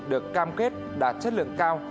được cam kết đạt chất lượng cao